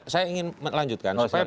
saya ingin melanjutkan